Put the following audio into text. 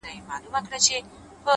هره ناکامي د نوي پیل پیغام دی،